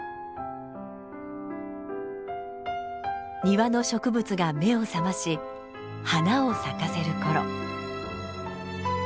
庭の植物が目を覚まし花を咲かせる頃。